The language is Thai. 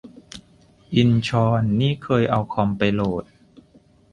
อินชอน- นี่เคยเอาคอมไปโหลด